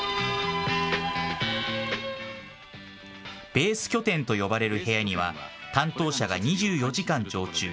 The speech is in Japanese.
ベース拠点と呼ばれる部屋には担当者が２４時間常駐。